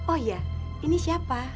oh iya ini siapa